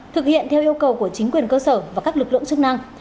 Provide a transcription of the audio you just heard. thực hiện theo yêu cầu của chính quyền cơ sở và các lực lượng chức năng